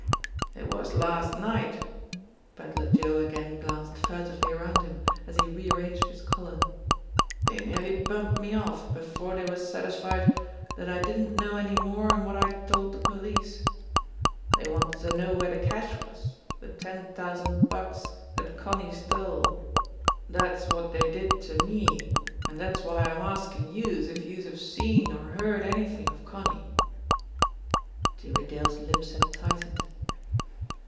"It was last night" Pedler Joe again glanced furtively around him, as he rearranged his collar "dey nearly bumped me off before dey was satisfied dat I didn't know any more'n wot I'd told de police. Dey wanted to know where de cash was, de ten t'ousand bucks dat Connie stole. Dat's wot dey did to me, an' dat's why I'm askin' youse if youse have seen or heard anythin' of Connie." Jimmie Dale's lips had tightened.